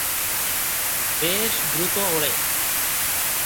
বেশ দ্রুত ওড়ে।